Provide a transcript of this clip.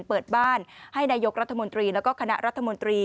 เปิดบ้านให้นายกรัฐมนตรีแล้วก็คณะรัฐมนตรี